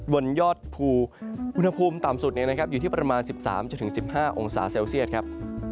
บนยอดภูอุณหภูมิต่ำสุดอยู่ที่ประมาณ๑๓๑๕องศาเซลเซียตครับ